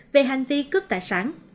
về hành vi cướp tài sản